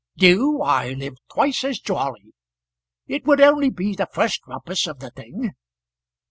"Do? why live twice as jolly. It would only be the first rumpus of the thing."